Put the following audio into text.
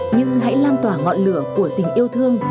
nhưng hãy lan tỏa ngọn lửa của tình yêu thương